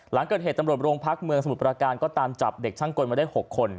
หลังเกิดเหตุตำรวจโรงพักเมืองสมุทรประการก็ตามจับเด็กช่างกลมาได้๖คน